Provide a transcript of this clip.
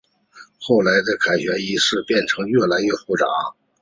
后来的凯旋仪式变得越来越复杂。